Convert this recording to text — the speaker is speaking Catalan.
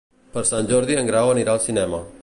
Per Sant Jordi en Grau anirà al cinema.